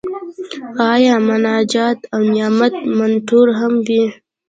آیا مناجات او نعت منثور هم وي؟